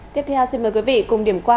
tiếp theo xin mời quý vị cùng điểm qua